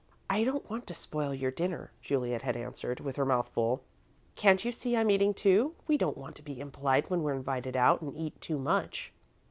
"I don't want to spoil your dinner," Juliet had answered, with her mouth full. "Can't you see I'm eating, too? We don't want to be impolite when we're invited out, and eat too much."